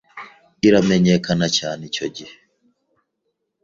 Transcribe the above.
iramenyekana cyane icyo gihe